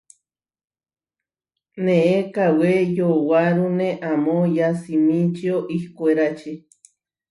Neé kawé yowárune amó yasimičio ihkwérači.